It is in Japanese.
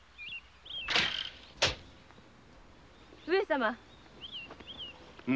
・上様。